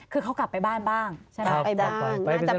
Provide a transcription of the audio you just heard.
คือเขากลับไปบ้านบ้างใช่ไหม